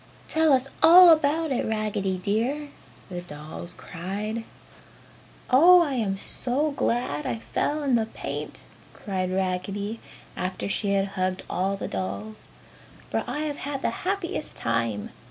"Tell us all about it, Raggedy dear!" the dolls cried. "Oh I am so glad I fell in the paint!" cried Raggedy, after she had hugged all the dolls, "For I have had the happiest time.